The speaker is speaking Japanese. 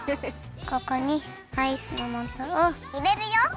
ここにアイスのもとをいれるよ。